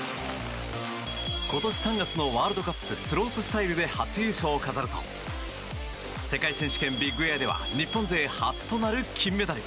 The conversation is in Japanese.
今年３月のワールドカップスロープスタイルで初優勝を飾ると世界選手権ビッグエアでは日本勢初となる金メダル。